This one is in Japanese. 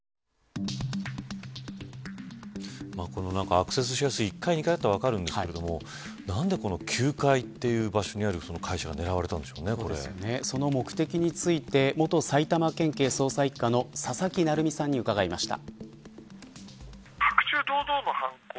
アクセスしやすい１階２階だったら分かるんですけど何で９階という場所にある会社がその目的について元埼玉県警捜査一課の佐々木成三さんに伺いました。